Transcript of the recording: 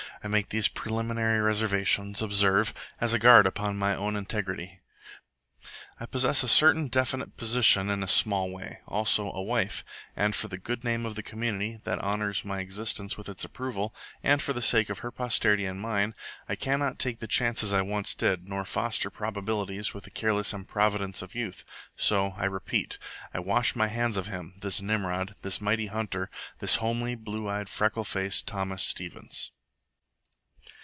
I make these preliminary reservations, observe, as a guard upon my own integrity. I possess a certain definite position in a small way, also a wife; and for the good name of the community that honours my existence with its approval, and for the sake of her posterity and mine, I cannot take the chances I once did, nor foster probabilities with the careless improvidence of youth. So, I repeat, I wash my hands of him, this Nimrod, this mighty hunter, this homely, blue eyed, freckle faced Thomas Stevens.